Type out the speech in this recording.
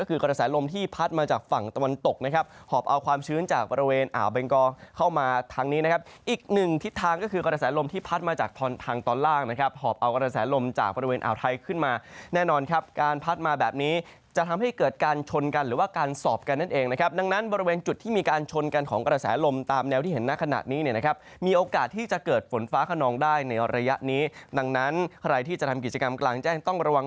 เอาความชื้นจากบริเวณอ่าวเบงกองเข้ามาทางนี้นะครับอีกหนึ่งทิศทางก็คือกระแสลมที่พัดมาจากทางตอนล่างนะครับหอบเอากระแสลมจากบริเวณอ่าวไทยขึ้นมาแน่นอนครับการพัดมาแบบนี้จะทำให้เกิดการชนกันหรือว่าการสอบกันนั่นเองนะครับดังนั้นบริเวณจุดที่มีการชนกันของกระแสลมตามแนวที่เห็นหน้าขนาดนี้นะคร